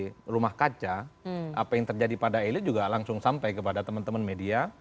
apa yang terjadi pada kaca apa yang terjadi pada elit juga langsung sampai kepada teman teman media